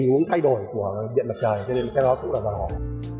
chúng ta phải thay đổi của dự án mặt trời cho nên cái đó cũng là đòi hỏi